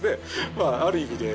まあある意味で。